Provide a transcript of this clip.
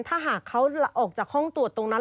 ถ้าหากเขาออกจากห้องตรวจตรงนั้น